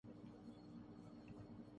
جب تک کہ نظر ثانی اپیل پہ فیصلہ نہ ہوجائے۔